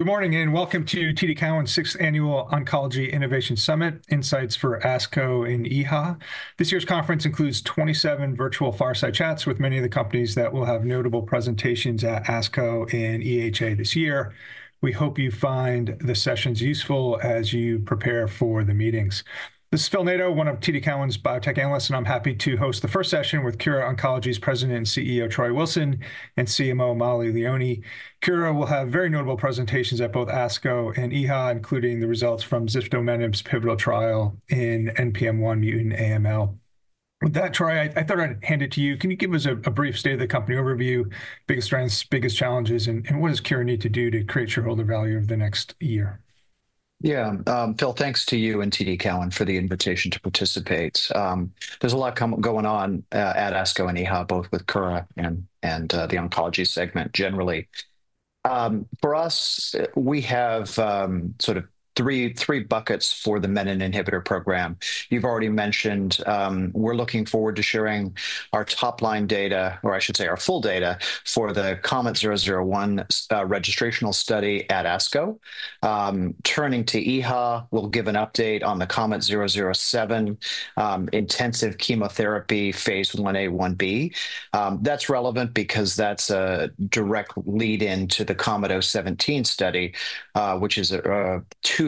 Good morning and welcome to TD Cowen's 6th Annual Oncology Innovation Summit: Insights for ASCO and EHA. This year's conference includes 27 virtual fireside chats with many of the companies that will have notable presentations at ASCO and EHA this year. We hope you find the sessions useful as you prepare for the meetings. This is Phil Nadeau, one of TD Cowen's biotech analysts, and I'm happy to host the first session with Kura Oncology's President and CEO, Troy Wilson, and CMO, Mollie Leoni. Kura will have very notable presentations at both ASCO and EHA, including the results from ziftomenib's pivotal trial in NPM1 mutant AML. With that, Troy, I thought I'd hand it to you. Can you give us a brief state of the company overview, biggest strengths, biggest challenges, and what does Kura need to do to create shareholder value over the next year? Yeah, Phil, thanks to you and TD Cowen for the invitation to participate. There's a lot going on at ASCO and EHA, both with Kura and the oncology segment generally. For us, we have sort of three buckets for the menin inhibitor program. You've already mentioned we're looking forward to sharing our top line data, or I should say our full data for the KOMET-001 registrational study at ASCO. Turning to EHA, we'll give an update on the KOMET-007 intensive chemotherapy phase I-A, phase I-B. That's relevant because that's a direct lead-in to the KOMET-017 study, which is two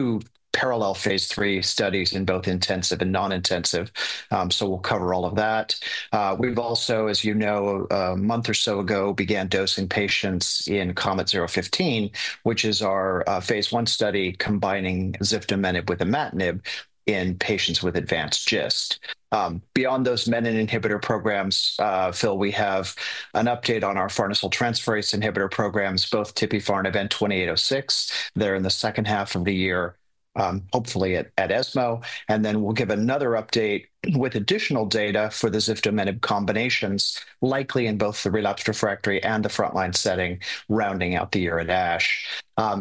parallel phase III studies in both intensive and non-intensive. We'll cover all of that. We've also, as you know, a month or so ago began dosing patients in KOMET-015, which is our phase I study combining ziftomenib with imatinib in patients with advanced GIST. Beyond those menin inhibitor programs, Phil, we have an update on our farnesyl transferase inhibitor programs, both Tipifarnib and KO-2806. They're in the second half of the year, hopefully at ESMO. We will give another update with additional data for the ziftomenib combinations, likely in both the relapsed refractory and the frontline setting, rounding out the year at ASH.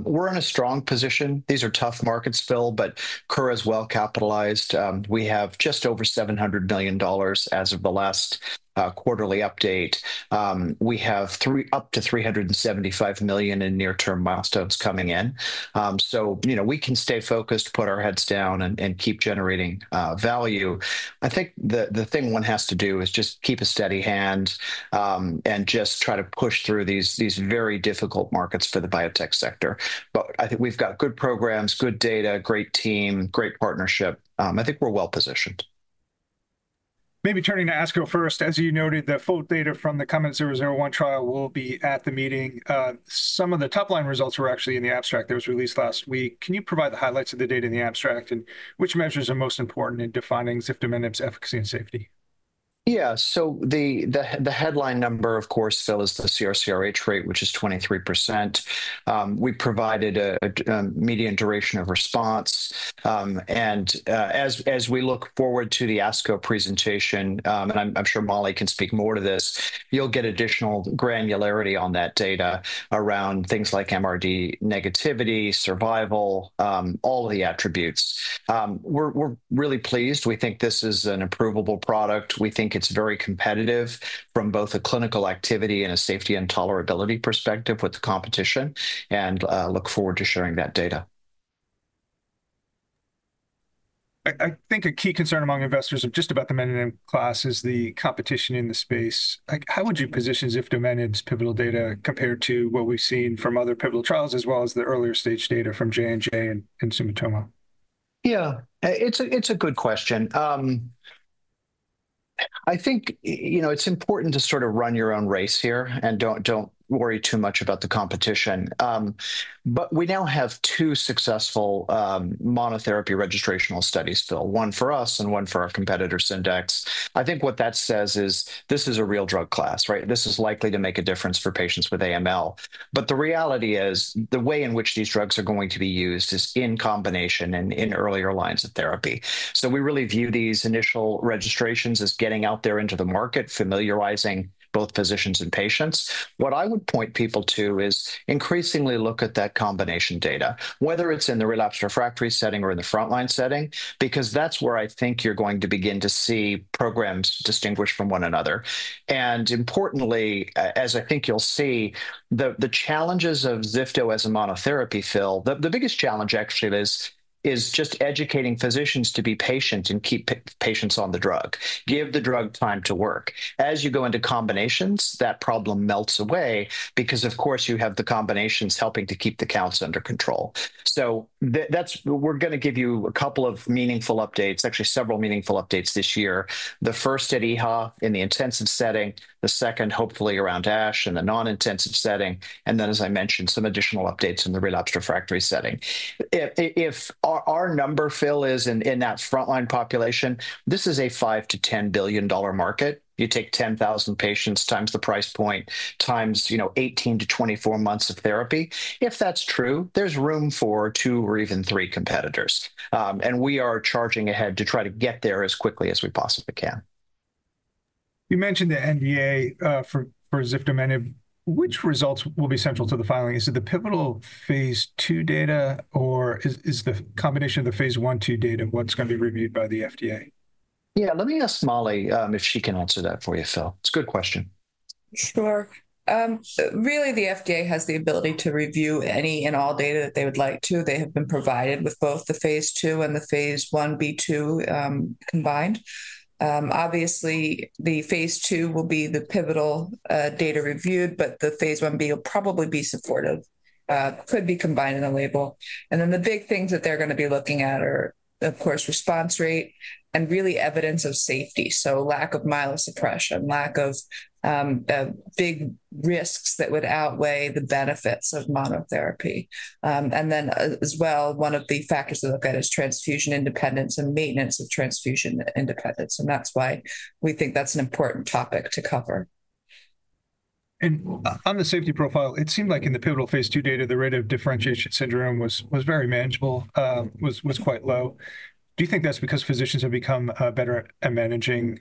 We're in a strong position. These are tough markets, Phil, but Kura is well capitalized. We have just over $700 million as of the last quarterly update. We have up to $375 million in near-term milestones coming in. We can stay focused, put our heads down, and keep generating value. I think the thing one has to do is just keep a steady hand and just try to push through these very difficult markets for the biotech sector. I think we've got good programs, good data, great team, great partnership. I think we're well positioned. Maybe turning to ASCO first, as you noted, the full data from the KOMET-001 trial will be at the meeting. Some of the top line results were actually in the abstract that was released last week. Can you provide the highlights of the data in the abstract and which measures are most important in defining ziftomenib efficacy and safety? Yeah, so the headline number, of course, Phil, is the CR/CRh rate, which is 23%. We provided a median duration of response. As we look forward to the ASCO presentation, and I'm sure Molly can speak more to this, you'll get additional granularity on that data around things like MRD negativity, survival, all the attributes. We're really pleased. We think this is an approvable product. We think it's very competitive from both a clinical activity and a safety and tolerability perspective with the competition, and look forward to sharing that data. I think a key concern among investors of just about the menin inhibitor class is the competition in the space. How would you position ziftomenib pivotal data compared to what we've seen from other pivotal trials, as well as the earlier stage data from Johnson & Johnson and Sumitomo? Yeah, it's a good question. I think it's important to sort of run your own race here and don't worry too much about the competition. We now have two successful monotherapy registrational studies, Phil, one for us and one for our competitor Syndax. I think what that says is this is a real drug class, right? This is likely to make a difference for patients with AML. The reality is the way in which these drugs are going to be used is in combination and in earlier lines of therapy. We really view these initial registrations as getting out there into the market, familiarizing both physicians and patients. What I would point people to is increasingly look at that combination data, whether it's in the relapse refractory setting or in the frontline setting, because that's where I think you're going to begin to see programs distinguished from one another. Importantly, as I think you'll see, the challenges of ziftomenib as a monotherapy, Phil, the biggest challenge actually is just educating physicians to be patient and keep patients on the drug, give the drug time to work. As you go into combinations, that problem melts away because, of course, you have the combinations helping to keep the counts under control. We're going to give you a couple of meaningful updates, actually several meaningful updates this year. The first at EHA in the intensive setting, the second hopefully around ASH in the non-intensive setting. Then, as I mentioned, some additional updates in the relapse refractory setting. If our number, Phil, is in that frontline population, this is a $5 billion-$10 billion market. You take 10,000 patients times the price point, times 18-24 months of therapy. If that's true, there's room for two or even three competitors. We are charging ahead to try to get there as quickly as we possibly can. You mentioned the NDA for ziftomenib. Which results will be central to the filing? Is it the pivotal phase II data, or is the combination of the phase I, phase II data what's going to be reviewed by the FDA? Yeah, let me ask Mollie if she can answer that for you, Phil. It's a good question. Sure. Really, the FDA has the ability to review any and all data that they would like to. They have been provided with both the phase II and the phase I-B2 combined. Obviously, the phase II will be the pivotal data reviewed, but the phase I-B will probably be supportive, could be combined in a label. The big things that they're going to be looking at are, of course, response rate and really evidence of safety. Lack of myelosuppression, lack of big risks that would outweigh the benefits of monotherapy. As well, one of the factors to look at is transfusion independence and maintenance of transfusion independence. That's why we think that's an important topic to cover. On the safety profile, it seemed like in the pivotal phase II data, the rate of differentiation syndrome was very manageable, was quite low. Do you think that's because physicians have become better at managing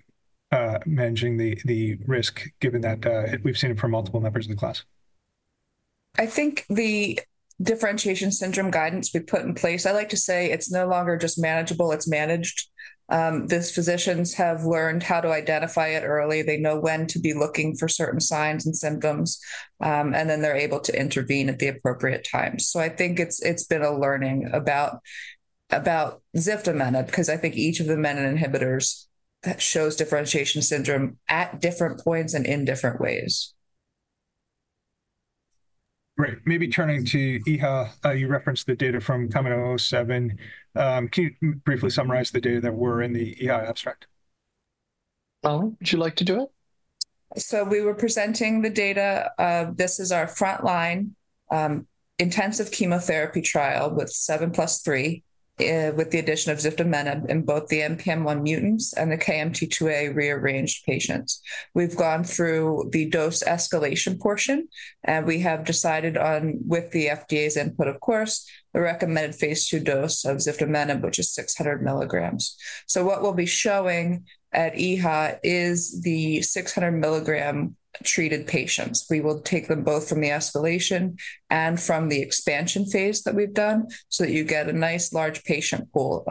the risk, given that we've seen it for multiple members of the class? I think the differentiation syndrome guidance we put in place, I like to say it's no longer just manageable, it's managed. These physicians have learned how to identify it early. They know when to be looking for certain signs and symptoms, and then they're able to intervene at the appropriate time. I think it's been a learning about ziftomenib, because I think each of the menin inhibitors shows differentiation syndrome at different points and in different ways. Great. Maybe turning to EHA, you referenced the data from KOMET-007. Can you briefly summarize the data that were in the EHA abstract? Oh, would you like to do it? We were presenting the data. This is our frontline intensive chemotherapy trial with 7+3, with the addition of ziftomenib in both the NPM1 mutants and the KMT2A rearranged patients. We've gone through the dose escalation portion, and we have decided on, with the FDA's input, of course, the recommended phase II dose of ziftomenib, which is 600 mg. What we'll be showing at EHA is the 600 mg treated patients. We will take them both from the escalation and from the expansion phase that we've done so that you get a nice large patient pool.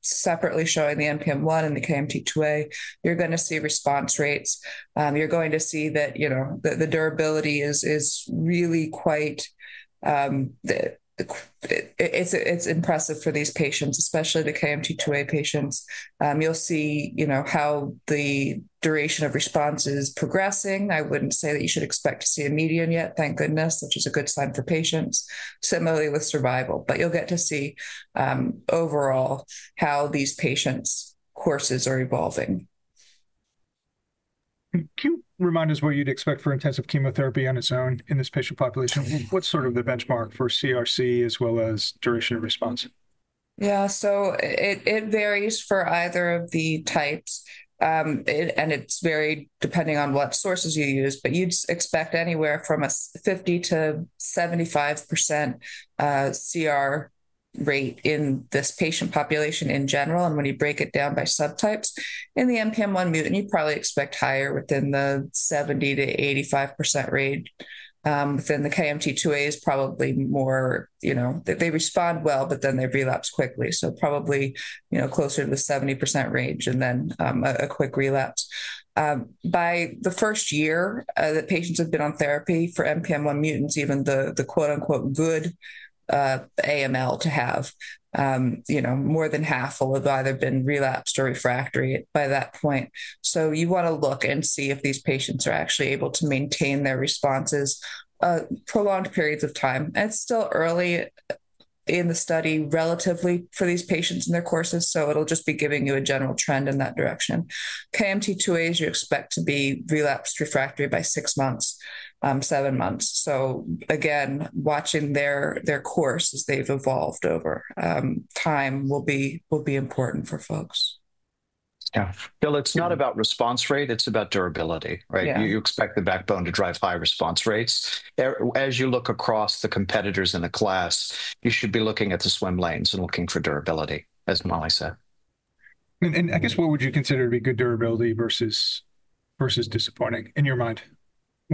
Separately showing the NPM1 and the KMT2A, you're going to see response rates. You're going to see that the durability is really quite impressive for these patients, especially the KMT2A patients. You'll see how the duration of response is progressing. I wouldn't say that you should expect to see a median yet, thank goodness, which is a good sign for patients, similarly with survival. You will get to see overall how these patients' courses are evolving. Can you remind us what you'd expect for intensive chemotherapy on its own in this patient population? What's sort of the benchmark for CR as well as duration of response? Yeah, so it varies for either of the types, and it's varied depending on what sources you use, but you'd expect anywhere from a 50-75% CR rate in this patient population in general. When you break it down by subtypes, in the NPM1 mutant, you probably expect higher within the 70-85% range. Within the KMT2A, they probably respond well, but then they relapse quickly, so probably closer to the 70% range and then a quick relapse. By the first year that patients have been on therapy for NPM1 mutants, even the "good" AML to have, more than half will have either been relapsed or refractory by that point. You want to look and see if these patients are actually able to maintain their responses for prolonged periods of time. It's still early in the study relatively for these patients and their courses, so it'll just be giving you a general trend in that direction. KMT2As, you expect to be relapsed refractory by six months, seven months. Again, watching their course as they've evolved over time will be important for folks. Yeah. Phil, it's not about response rate, it's about durability, right? You expect the backbone to drive high response rates. As you look across the competitors in the class, you should be looking at the swim lanes and looking for durability, as Molly said. What would you consider to be good durability versus disappointing in your mind?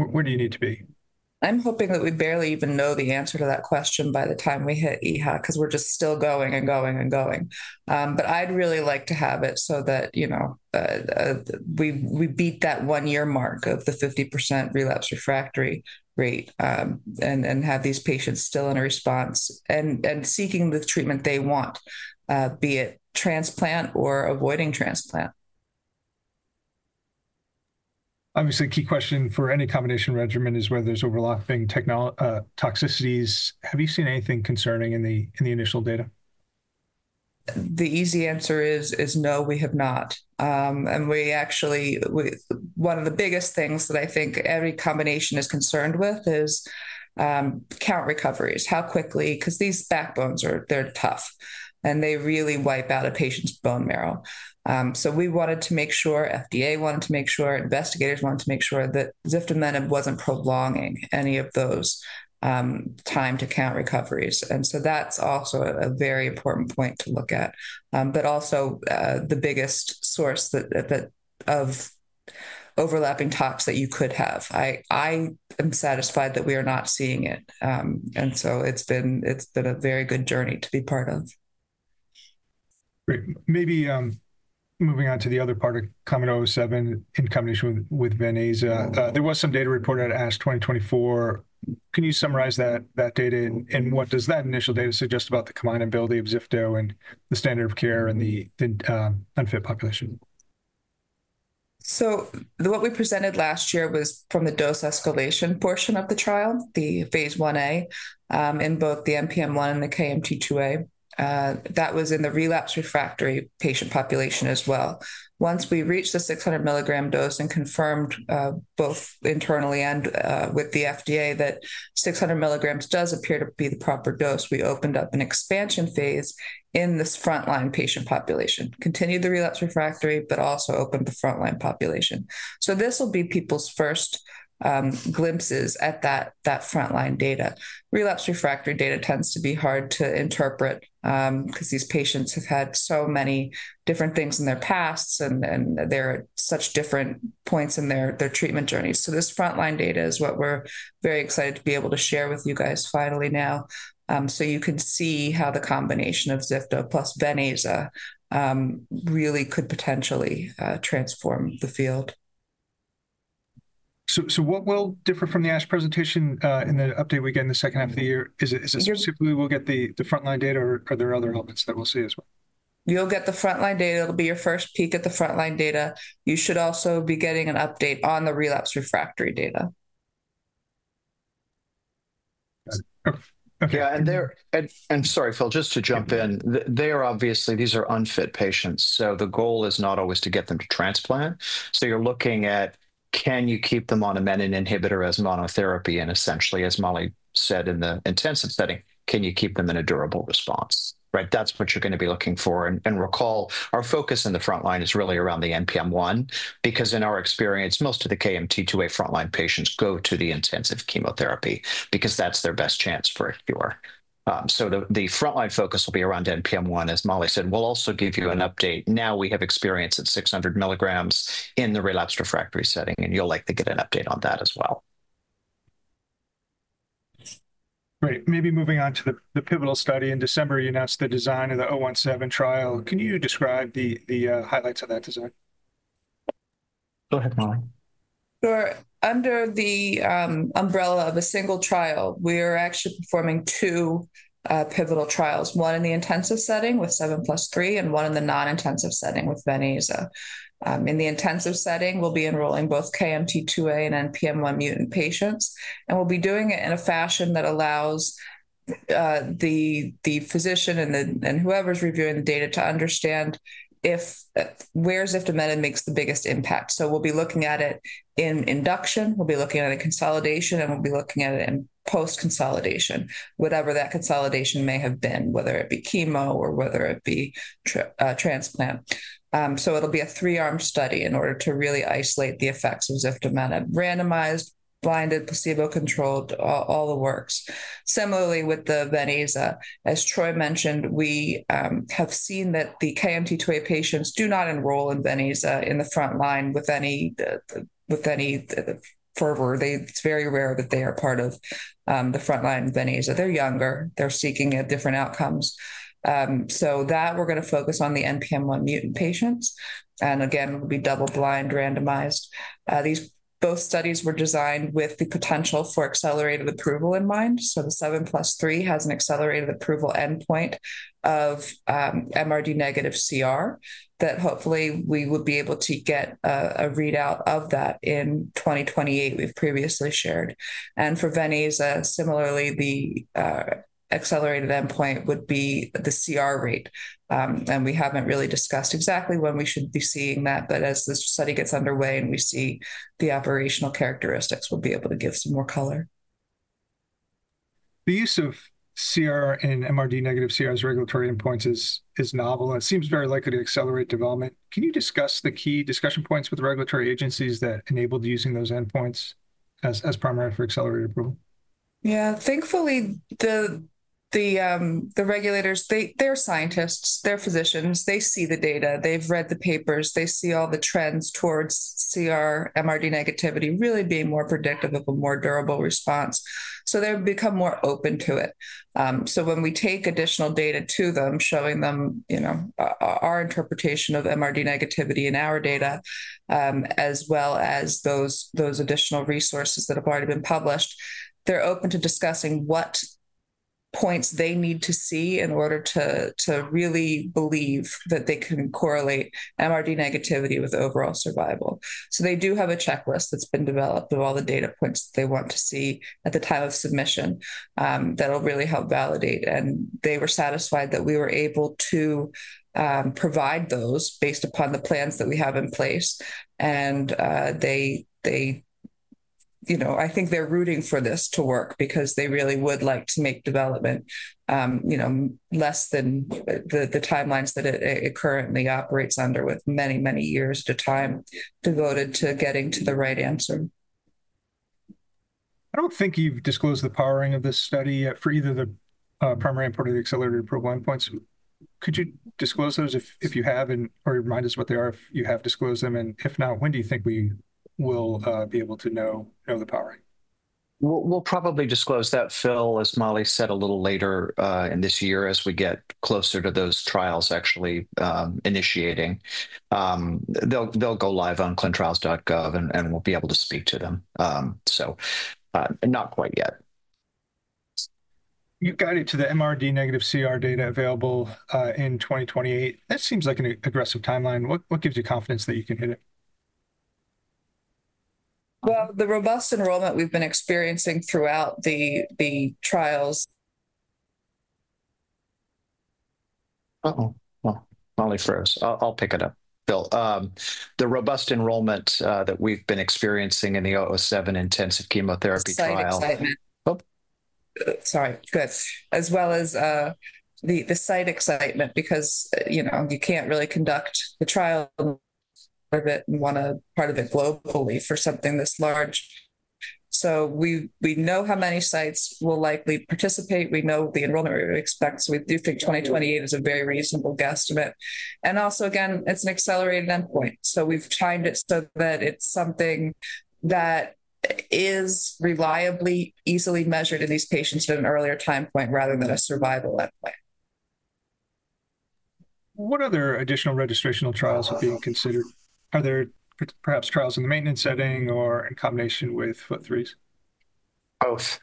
Where do you need to be? I'm hoping that we barely even know the answer to that question by the time we hit EHA, because we're just still going and going and going. I'd really like to have it so that we beat that one-year mark of the 50% relapse refractory rate and have these patients still in a response and seeking the treatment they want, be it transplant or avoiding transplant. Obviously, a key question for any combination regimen is whether there's overlapping toxicities. Have you seen anything concerning in the initial data? The easy answer is no, we have not. We actually, one of the biggest things that I think every combination is concerned with is count recoveries, how quickly, because these backbones are tough and they really wipe out a patient's bone marrow. We wanted to make sure, FDA wanted to make sure, investigators wanted to make sure that ziftomenib wasn't prolonging any of those time to count recoveries. That is also a very important point to look at, but also the biggest source of overlapping toxicities that you could have. I am satisfied that we are not seeing it. It has been a very good journey to be part of. Great. Maybe moving on to the other part of KOMET-007 in combination with venetoclax. There was some data reported at ASH 2024. Can you summarize that data and what does that initial data suggest about the combinability of ziftomenib and the standard of care in the unfit population? What we presented last year was from the dose escalation portion of the trial, the phase I-A in both the NPM1 and the KMT2A. That was in the relapsed refractory patient population as well. Once we reached the 600 milligram dose and confirmed both internally and with the FDA that 600 milligrams does appear to be the proper dose, we opened up an expansion phase in this frontline patient population, continued the relapsed refractory, but also opened the frontline population. This will be people's first glimpses at that frontline data. Relapsed refractory data tends to be hard to interpret because these patients have had so many different things in their past and they're at such different points in their treatment journeys. This frontline data is what we're very excited to be able to share with you guys finally now. You can see how the combination of ziftomenib plus venetoclax really could potentially transform the field. What will differ from the ASH presentation in the update we get in the second half of the year? Is it specifically we'll get the frontline data or are there other elements that we'll see as well? You'll get the frontline data. It'll be your first peek at the frontline data. You should also be getting an update on the relapse refractory data. Yeah. Sorry, Phil, just to jump in, they are obviously, these are unfit patients. The goal is not always to get them to transplant. You are looking at, can you keep them on a menin inhibitor as monotherapy? Essentially, as Molly said in the intensive setting, can you keep them in a durable response? Right? That is what you are going to be looking for. Recall, our focus in the frontline is really around the NPM1 because in our experience, most of the KMT2A frontline patients go to the intensive chemotherapy because that is their best chance for a cure. The frontline focus will be around NPM1, as Molly said. We will also give you an update. Now we have experience at 600 milligrams in the relapsed refractory setting, and you will likely get an update on that as well. Great. Maybe moving on to the pivotal study in December, you announced the design of the 017 trial. Can you describe the highlights of that design? Go ahead, Molly. Sure. Under the umbrella of a single trial, we are actually performing two pivotal trials, one in the intensive setting with 7+3 and one in the non-intensive setting with venetoclax. In the intensive setting, we'll be enrolling both KMT2A and NPM1 mutant patients. And we'll be doing it in a fashion that allows the physician and whoever's reviewing the data to understand where ziftomenib makes the biggest impact. We'll be looking at it in induction, we'll be looking at it in consolidation, and we'll be looking at it in post-consolidation, whatever that consolidation may have been, whether it be chemo or whether it be transplant. It'll be a three-arm study in order to really isolate the effects of ziftomenib, randomized, blinded, placebo-controlled, all the works. Similarly, with the VEN/AZA, as Troy mentioned, we have seen that the KMT2A patients do not enroll in VEN/AZA in the frontline any further. It's very rare that they are part of the frontline VEN/AZA. They're younger. They're seeking different outcomes. That is why we're going to focus on the NPM1 mutant patients. Again, it'll be double blind, randomized. These both studies were designed with the potential for accelerated approval in mind. The 7+3 has an accelerated approval endpoint of MRD negative CR that hopefully we would be able to get a readout of that in 2028, as we've previously shared. For VEN/AZA, similarly, the accelerated endpoint would be the CR rate. We haven't really discussed exactly when we should be seeing that, but as the study gets underway and we see the operational characteristics, we'll be able to give some more color. The use of CR and MRD negative CR as regulatory endpoints is novel. It seems very likely to accelerate development. Can you discuss the key discussion points with regulatory agencies that enabled using those endpoints as primary for accelerated approval? Yeah. Thankfully, the regulators, they're scientists, they're physicians, they see the data, they've read the papers, they see all the trends towards CR, MRD negativity really being more predictive of a more durable response. They have become more open to it. When we take additional data to them, showing them our interpretation of MRD negativity in our data, as well as those additional resources that have already been published, they're open to discussing what points they need to see in order to really believe that they can correlate MRD negativity with overall survival. They do have a checklist that's been developed of all the data points that they want to see at the time of submission that'll really help validate. They were satisfied that we were able to provide those based upon the plans that we have in place. I think they're rooting for this to work because they really would like to make development less than the timelines that it currently operates under with many, many years to time devoted to getting to the right answer. I don't think you've disclosed the powering of this study for either the primary and part of the accelerated approval endpoints. Could you disclose those if you have and remind us what they are if you have disclosed them? If not, when do you think we will be able to know the powering? We'll probably disclose that, Phil, as Molly said, a little later in this year as we get closer to those trials actually initiating. They'll go live on ClinicalTrials.gov and we'll be able to speak to them. Not quite yet. You've guided to the MRD negative CR data available in 2028. That seems like an aggressive timeline. What gives you confidence that you can hit it? The robust enrollment we've been experiencing throughout the trials. Uh-oh. Mollie Leoni, I'll pick it up. Phil, the robust enrollment that we've been experiencing in the 007 intensive chemotherapy trial. Site excitement. Oh. Sorry. Good. As well as the site excitement because you can't really conduct the trial of it and want to part of it globally for something this large. We know how many sites will likely participate. We know the enrollment we expect. We do think 2028 is a very reasonable guesstimate. Also, again, it's an accelerated endpoint. We've timed it so that it's something that is reliably easily measured in these patients at an earlier time point rather than a survival endpoint. What other additional registrational trials are being considered? Are there perhaps trials in the maintenance setting or in combination with FLT3s? Both.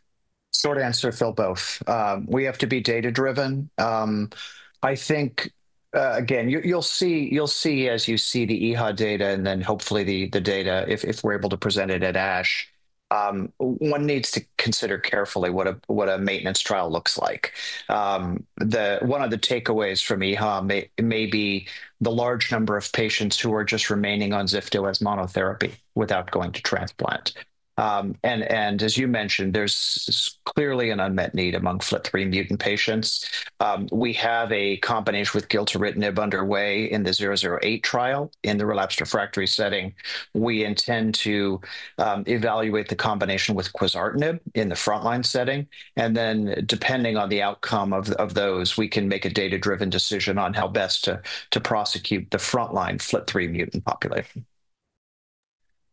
Short answer, Phil, both. We have to be data-driven. I think, again, you'll see as you see the EHA data and then hopefully the data, if we're able to present it at ASH, one needs to consider carefully what a maintenance trial looks like. One of the takeaways from EHA may be the large number of patients who are just remaining on ziftomenib as monotherapy without going to transplant. As you mentioned, there's clearly an unmet need among FLT3 mutant patients. We have a combination with gilteritinib underway in the 008 trial in the relapsed refractory setting. We intend to evaluate the combination with quizartinib in the frontline setting. Depending on the outcome of those, we can make a data-driven decision on how best to prosecute the frontline FLT3 mutant population.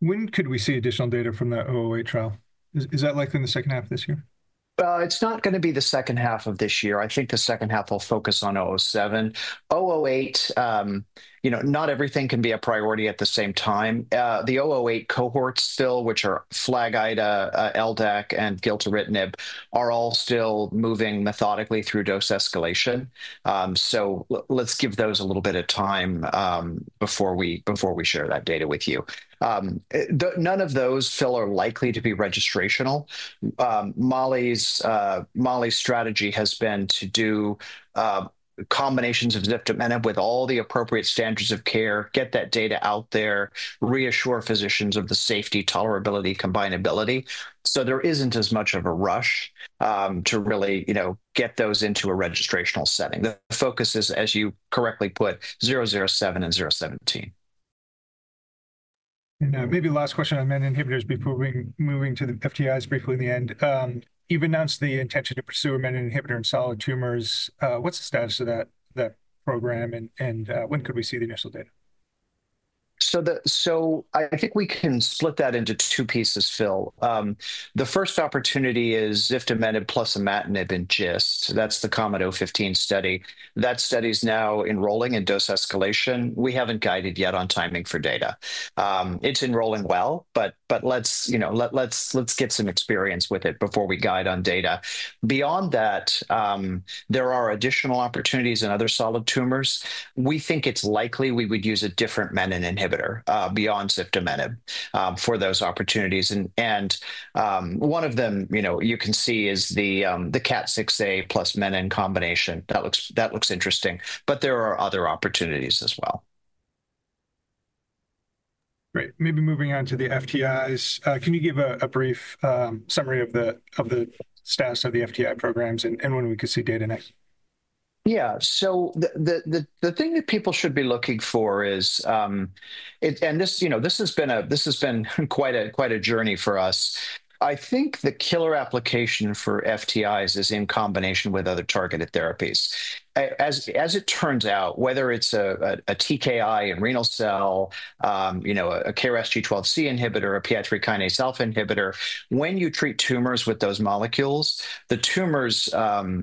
When could we see additional data from the 008 trial? Is that likely in the second half of this year? It's not going to be the second half of this year. I think the second half will focus on 007. 008, not everything can be a priority at the same time. The 008 cohorts still, which are FLAG-IDA, LDAC, and gilteritinib, are all still moving methodically through dose escalation. Let's give those a little bit of time before we share that data with you. None of those, Phil, are likely to be registrational. Molly's strategy has been to do combinations of ziftomenib with all the appropriate standards of care, get that data out there, reassure physicians of the safety, tolerability, combinability. There isn't as much of a rush to really get those into a registrational setting. The focus is, as you correctly put, 007 and 017. Maybe last question on menin inhibitors before moving to the FTIs briefly at the end. You've announced the intention to pursue a menin inhibitor in solid tumors. What's the status of that program and when could we see the initial data? I think we can split that into two pieces, Phil. The first opportunity is ziftomenib plus imatinib in GIST. That's the KOMET-015 study. That study is now enrolling in dose escalation. We haven't guided yet on timing for data. It's enrolling well, but let's get some experience with it before we guide on data. Beyond that, there are additional opportunities in other solid tumors. We think it's likely we would use a different menin inhibitor beyond ziftomenib for those opportunities. One of them you can see is the KAT6A plus menin in combination. That looks interesting. There are other opportunities as well. Great. Maybe moving on to the FTIs. Can you give a brief summary of the status of the FTI programs and when we could see data next? Yeah. The thing that people should be looking for is, and this has been quite a journey for us. I think the killer application for FTIs is in combination with other targeted therapies. As it turns out, whether it's a TKI in renal cell, a KRAS G12C inhibitor, a PI3 kinase alpha inhibitor, when you treat tumors with those molecules, the tumors,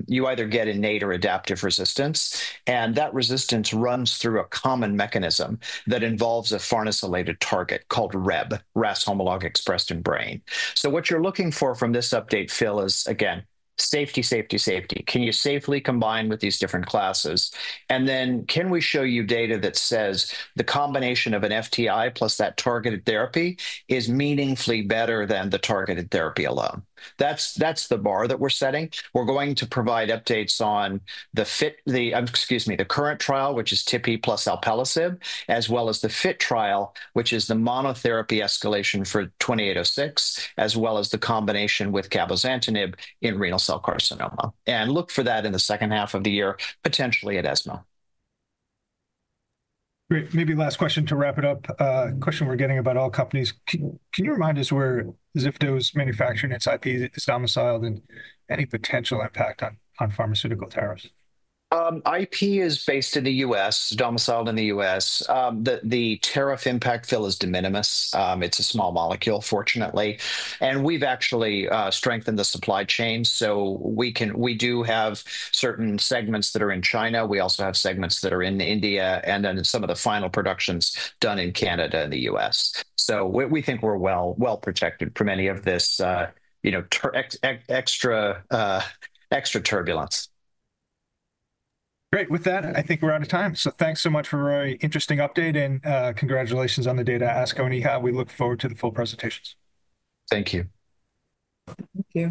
you either get innate or adaptive resistance. That resistance runs through a common mechanism that involves a farnesylated target called Rheb, RAS homolog enriched in brain. What you're looking for from this update, Phil, is, again, safety, safety, safety. Can you safely combine with these different classes? Can we show you data that says the combination of an FTI plus that targeted therapy is meaningfully better than the targeted therapy alone? That's the bar that we're setting. We're going to provide updates on the current trial, which is Tipifarnib plus Alpelisib, as well as the FIT trial, which is the monotherapy escalation for KO-2806, as well as the combination with Cabozantinib in renal cell carcinoma. Look for that in the second half of the year, potentially at ESMO. Great. Maybe last question to wrap it up. Question we're getting about all companies. Can you remind us where Kura Oncology's manufacturing, its IP is domiciled, and any potential impact on pharmaceutical tariffs? IP is based in the U.S., domiciled in the U.S. The tariff impact, Phil, is de minimis. It's a small molecule, fortunately. And we've actually strengthened the supply chain. We do have certain segments that are in China. We also have segments that are in India and then some of the final production is done in Canada and the U.S. We think we're well protected from any of this extra turbulence. Great. With that, I think we're out of time. So thanks so much for a very interesting update and congratulations on the data. ASCO and EHA. We look forward to the full presentations. Thank you. Thank you.